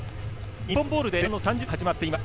日本ボールで前半の３０分が始まっています。